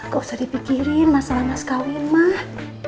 gak usah dipikirin masalah mas kawin mah